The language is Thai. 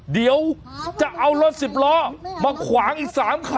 เดี๋ยวจะเอารถสิบล้อมาขวางอีก๓คัน